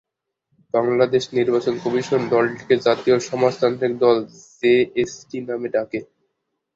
বাংলাদেশ নির্বাচন কমিশন দলটিকে জাতীয় সমাজতান্ত্রিক দল-জেএসডি নামে ডাকে।